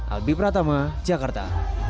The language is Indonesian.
albi pratama jakarta